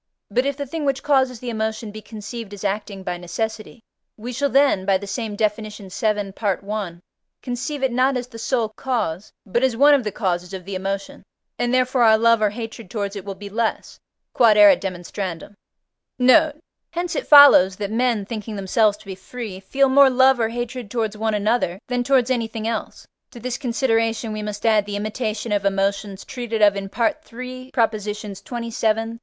But if the thing which causes the emotion be conceived as acting by necessity, we shall then (by the same Def. vii. Part I.) conceive it not as the sole cause, but as one of the causes of the emotion, and therefore our love or hatred towards it will be less. Q.E.D. Note. Hence it follows, that men, thinking themselves to be free, feel more love or hatred towards one another than towards anything else: to this consideration we must add the imitation of emotions treated of in III. xxvii., xxxiv., xl.